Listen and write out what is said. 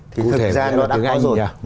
thì thực ra nó đã có rồi